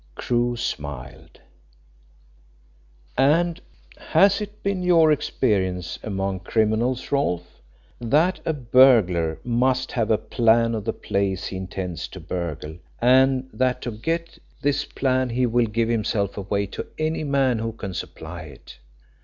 Crewe smiled. "And has it been your experience among criminals, Rolfe, that a burglar must have a plan of the place he intends to burgle, and that to get this plan he will give himself away to any man who can supply it?